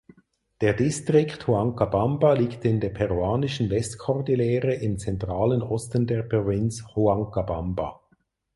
Der Distrikt Huancabamba liegt in der peruanischen Westkordillere im zentralen Osten der Provinz Huancabamba.